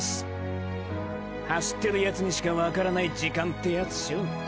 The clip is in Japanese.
走ってるヤツにしかわからない時間ってヤツショ。